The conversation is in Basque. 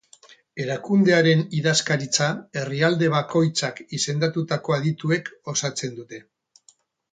Erakundearen idazkaritza herrialde bakoitzak izendatutako adituek osatzen dute.